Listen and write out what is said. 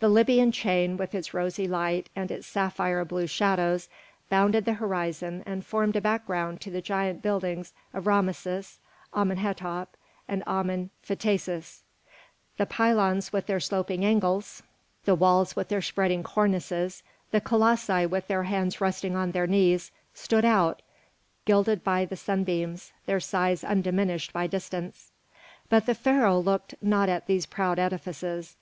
The Libyan chain, with its rosy light, and its sapphire blue shadows, bounded the horizon and formed a background to the giant buildings of Rameses, Amenhôtep, and Amen Phtases; the pylons with their sloping angles, the walls with their spreading cornices, the colossi with their hands resting on their knees, stood out, gilded by the sunbeams, their size undiminished by distance. But the Pharaoh looked not at these proud edifices.